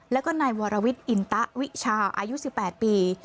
แล้วก็นายวรวิทย์อินตะวิชาอายุ๑๘ปี